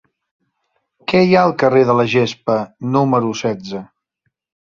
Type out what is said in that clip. Què hi ha al carrer de la Gespa número setze?